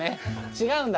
違うんだね。